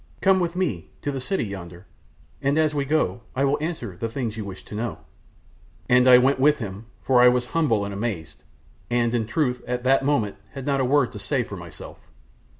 Come with me to the city yonder, and as we go I will answer the things you wish to know;" and I went with him, for I was humble and amazed, and, in truth, at that moment, had not a word to say for myself.